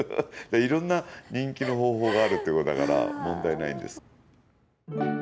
いろんな人気の方法があるっていうことだから問題ないんです。